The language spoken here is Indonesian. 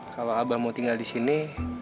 kalau abah mau tinggal di sini